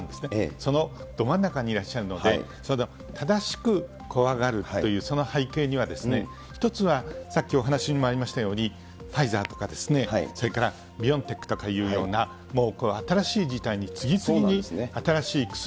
そのど真ん中にいらっしゃるので、正しく怖がるという、その背景には、１つはさっきお話にもありましたように、ファイザーとか、それからビオンテックというような新しい事態に次々に、新しい薬